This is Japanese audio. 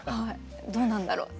どうなんだろう？